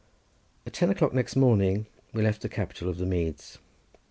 At ten o'clock next morning we left the capital of the meads.